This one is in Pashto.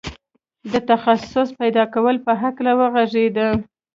د تخصص پيدا کولو په هکله وغږېد.